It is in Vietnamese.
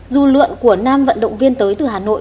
dù lượn của nam vận động viên tới từ hà nội